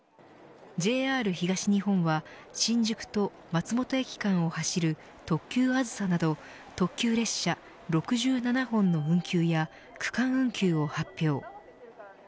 ＪＲ東日本は新宿と松本駅間を走る東急あずさなど特急列車６７本の運休や区間運休を発表。